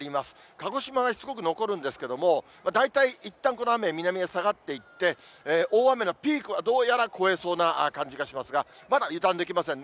鹿児島はしつこく残るんですけども、大体いったんこの雨、南へ下がっていって、大雨のピークはどうやら越えそうな感じがしますが、まだ油断できませんね。